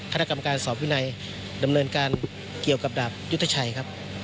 คณะกรรมการสอบวินัยดำเนินการเกี่ยวกับดาบยุทธชัยครับ